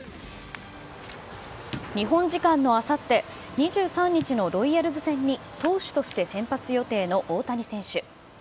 日本時間のあさって２３日のロイヤルズ戦に、投手として先発予定の大谷選手。